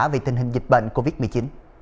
về tình hình dịch bệnh covid một mươi chín